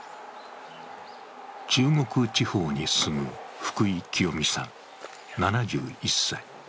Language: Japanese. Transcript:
中国地方に住む福井清美さん７１歳。